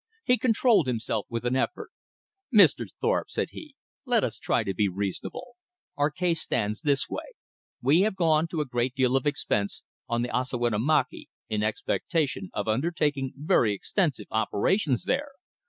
He controlled himself with an effort. "Mr. Thorpe," said he, "let us try to be reasonable. Our case stands this way. We have gone to a great deal of expense on the Ossawinamakee in expectation of undertaking very extensive operations there.